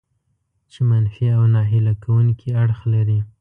چې منفي او ناهیله کوونکي اړخ لري.